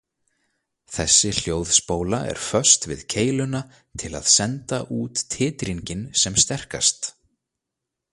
Þessi hljóðspóla er föst við keiluna til að senda út titringinn sem sterkast.